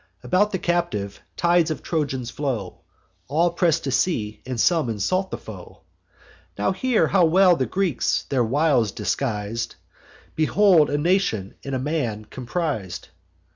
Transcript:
About the captive, tides of Trojans flow; All press to see, and some insult the foe. Now hear how well the Greeks their wiles disguis'd; Behold a nation in a man compris'd.